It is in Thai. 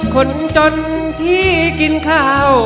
คนจนที่กินข้าว